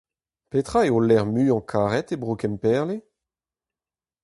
Petra eo ho lec'h muiañ-karet e bro Kemperle ?